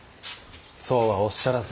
そうはおっしゃらず。